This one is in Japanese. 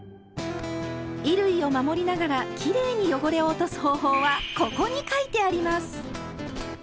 衣類を守りながらきれいに汚れを落とす方法は「ここ」に書いてあります！